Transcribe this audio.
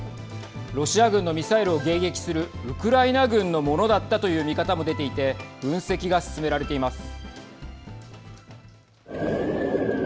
ロシア軍のミサイルを迎撃するウクライナ軍のものだったという見方も出ていて分析が進められています。